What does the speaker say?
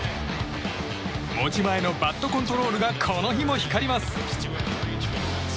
持ち前のバットコントロールがこの日も光ります！